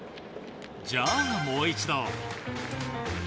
じゃあもう一度。